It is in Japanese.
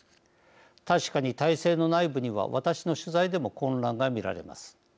確かに体制の内部には私の取材でも混乱が見られます。